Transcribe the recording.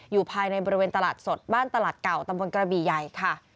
อยู่ภายในบริเวณตลาดสดบ้านตลาดเก่าตำบลกระบี่ใหญ่ค่ะ